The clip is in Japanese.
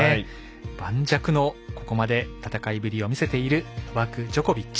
盤石のここまで戦いぶりを見せているノバク・ジョコビッチ。